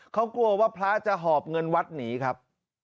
เขากลัวว่าพระจะหอบเงินวัดหนีครับ